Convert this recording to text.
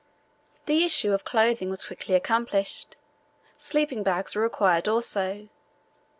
The issue of clothing was quickly accomplished. Sleeping bags were required also.